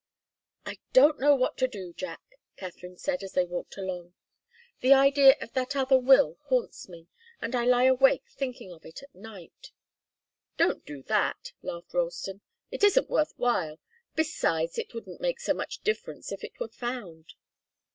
"I don't know what to do, Jack," Katharine said, as they walked along. "The idea of that other will haunts me, and I lie awake thinking of it at night." "Don't do that," laughed Ralston. "It isn't worth while. Besides, it wouldn't make so much difference if it were found."